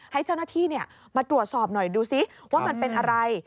ให้เจ้าหน้าที่มาตรวจสอบหน่อยดูซิว่ามันเป็นอะไร